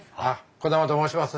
兒玉と申します。